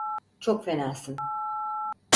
Çok fenasın.